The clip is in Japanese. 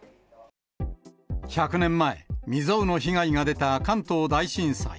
１００年前、未曽有の被害が出た関東大震災。